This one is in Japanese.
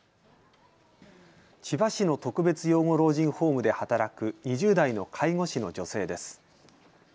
千葉市の特別養護老人ホームで働く２０代の介護士の女性です。